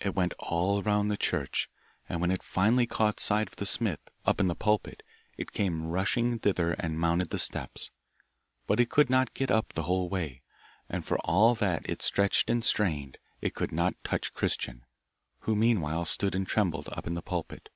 It went all round the church, and when it finally caught sight of the smith, up in the pulpit, it came rushing thither and mounted the steps. But it could not get up the whole way, and for all that it stretched and strained, it could not touch Christian, who meanwhile stood and trembled up in the pulpit.